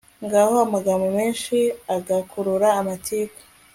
naho amagambo menshi agakurura amatiku